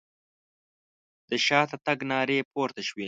د شاته تګ نارې پورته شوې.